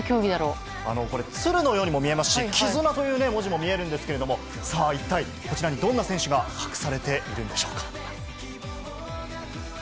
これ、鶴のようにも見えますし、絆という文字も見えるんですけれども、さあ一体、こちらにどんな選手が隠されているんでしょうか。